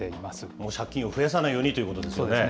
もう借金を増やさないようにということですね。